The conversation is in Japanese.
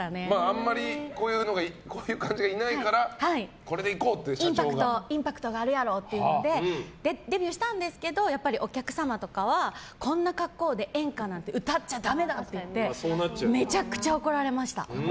あんまりこういう感じがいないからインパクトがあるやろってデビューしたんですけどお客様とかはこんな格好で演歌なんて歌っちゃだめだって言われてめちゃくちゃ怒られました。